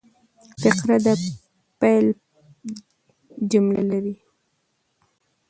فقره د پیل جمله لري.